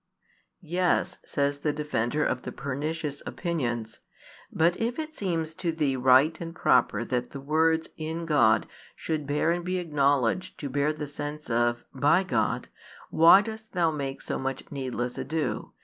"Yes," says the defender of the pernicious opinions, "but if it seems to thee right and proper that the words 'in God' should bear and be acknowledged to bear the sense of ' by God,' why dost thou make so much needless ado?